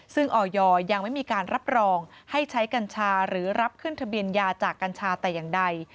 ซึ่งออยยังไม่มีการรับรองให้ใช้กัญชาหรือรับขึ้นทะเบียนยาจากกัญชาแต่อย่างใด